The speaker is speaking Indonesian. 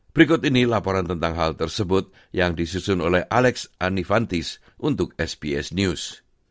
berikut ini laporan tentang hal tersebut yang disusun oleh alex anifantis untuk sps news